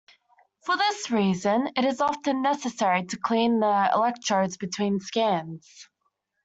For this reason it is often necessary to clean the electrodes between scans.